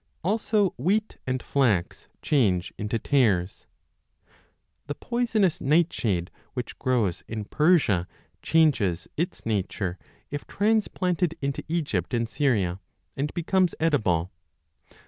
Also wheat and flax change into tares. 1 The poisonous nightshade 2 which grows in Persia changes its nature if transplanted into Egypt and Syria and becomes edible.